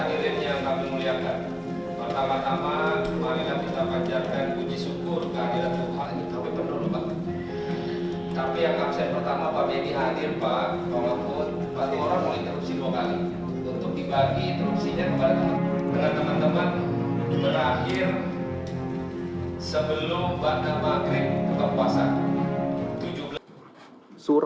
berisikan rekap atas tiga ratus